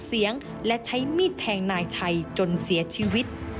เสียงและใช้มีดแทงนายชัยจนเสียชีวิต